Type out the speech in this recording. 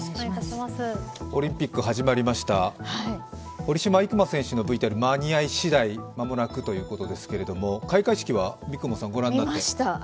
オリンピック始まりました、堀島行真選手のＶＴＲ、間に合いしだい、間もなくということですけれども、開会式は三雲さん、御覧になりました？